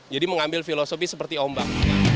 jadi mengambil filosofi seperti ombak